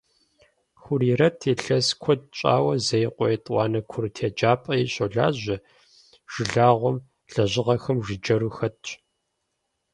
Хурирэт илъэс куэд щӏауэ Зеикъуэ етӏуанэ курыт еджапӏэи щолажьэ, жылагъуэ лэжьыгъэхэм жыджэру хэтщ.